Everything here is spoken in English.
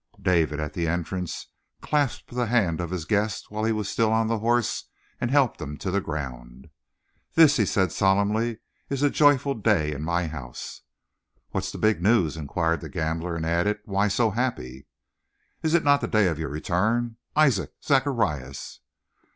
David, at the entrance, clasped the hand of his guest while he was still on the horse and helped him to the ground. "This," he said solemnly, "is a joyful day in my house." "What's the big news?" inquired the gambler, and added: "Why so happy?" "Is it not the day of your return? Isaac! Zacharias!"